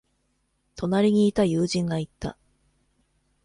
隣にいた友人が言った。